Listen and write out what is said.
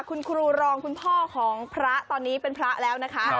คุณครูรองคุณพ่อของพระตอนนี้เป็นพระแล้วนะคะ